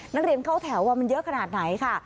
นักเรียนเข้าแถวว่ามันเยอะขนาดไหนค่ะ